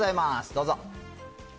どうぞ。